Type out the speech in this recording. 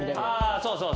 そうそう。